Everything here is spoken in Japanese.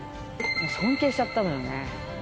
尊敬しちゃったのよね。